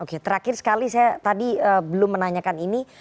oke terakhir sekali saya tadi belum menanyakan ini